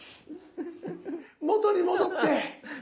元に戻って！